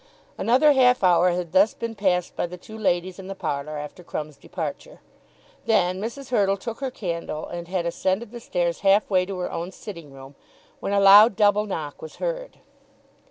Another half hour had thus been passed by the two ladies in the parlour after Crumb's departure. Then Mrs. Hurtle took her candle and had ascended the stairs half way to her own sitting room, when a loud double knock was heard.